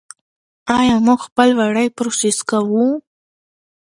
آیا موږ خپل وړۍ پروسس کوو؟